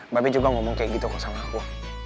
mbak be juga ngomong kayak gitu kok sama aku